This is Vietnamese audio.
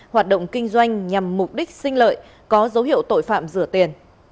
hoạt động kinh doanh nhằm mục đích sinh lợi có dấu hiệu tội phạm rửa tiền